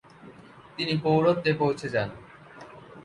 তিনি প্রৌঢ়ত্ত্বে পৌঁছে যান।